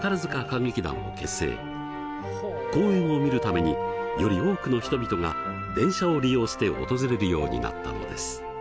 公演を見るためにより多くの人々が電車を利用して訪れるようになったのです。